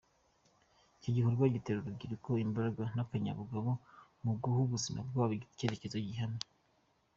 Iki gikorwa gitera urubyiruko imbaraga n’akanyabugabo mu guha ubuzima bwabo icyerekezo gihamye.